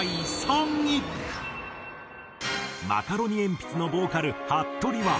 マカロニえんぴつのボーカルはっとりは。